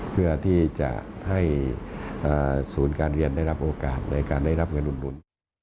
เพื่อที่จะให้ศูนย์การเรียนได้รับโอกาสในการได้รับเงินอุดหนุน